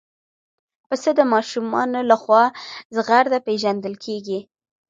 پسه د ماشومانو لخوا زغرده پېژندل کېږي.